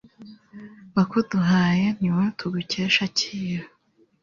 wakuduhaye. ni wowe tugukesha akira